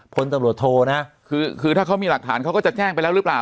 พลตำรวจโทนะคือถ้าเขามีหลักฐานเขาก็จะแจ้งไปแล้วหรือเปล่า